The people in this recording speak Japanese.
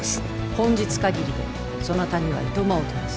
本日限りでそなたには暇をとらす。